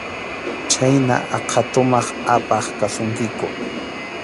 Chhayna aqha tumaq apaq kasunkiku.